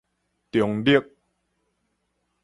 中壢